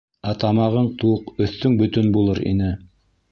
Ә тамағың туҡ, өҫтөң бөтөн булыр ине.